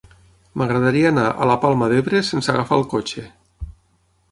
M'agradaria anar a la Palma d'Ebre sense agafar el cotxe.